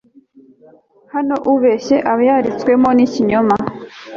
naho ubeshye, aba yaritswemo n'ikinyoma